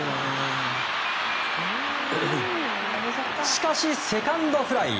しかし、セカンドフライ。